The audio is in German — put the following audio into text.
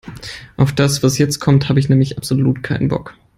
Auf das, was jetzt kommt, habe ich nämlich absolut keinen Bock.